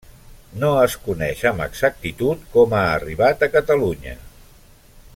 No es coneix amb exactitud com ha arribat a Catalunya.